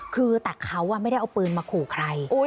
คือแต่เขาไม่ได้เอาปืนมาขู่ใคร